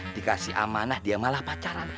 dikasih amanah dia malah pacaran